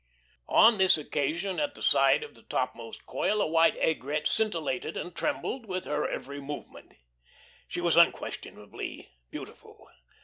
On this occasion at the side of the topmost coil, a white aigrette scintillated and trembled with her every movement. She was unquestionably beautiful.